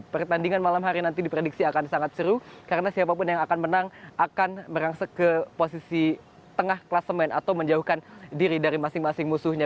pertandingan malam hari nanti diprediksi akan sangat seru karena siapapun yang akan menang akan merangsek ke posisi tengah klasemen atau menjauhkan diri dari masing masing musuhnya